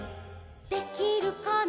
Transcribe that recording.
「できるかな」